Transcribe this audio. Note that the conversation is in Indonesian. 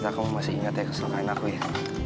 ntar kamu masih inget ya kesel kain aku ya